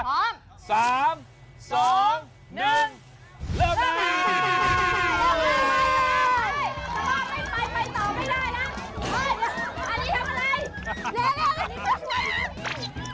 อีกนิดนึง